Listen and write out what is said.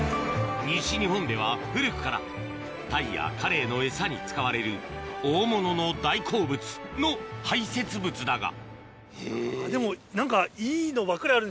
西日本では古くからタイやカレイのエサに使われる大物の大好物の排せつ物だがでも何か。